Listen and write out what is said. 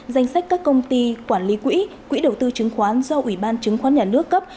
danh sách các công ty quản lý quỹ đầu tư chứng khoán do ủy ban chứng khoán nhà nước cấp